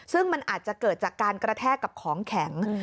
ซึ่งมันอาจจะเกิดจากการกระแทกกับของแข็ง